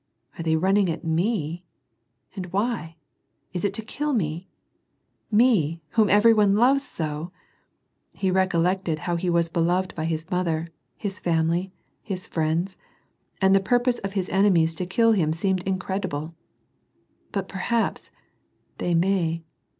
Are they run ning at me ? And why ? Is it to kill me ? Me, whom every one loves so ?" He recollected how he was beloved by his mother, his family, his friends, and the purpose of his enemies to kill him seemed incredible. , "But perhaps — they may."